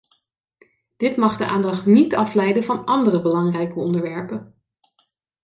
Dit mag de aandacht niet afleiden van andere belangrijke onderwerpen.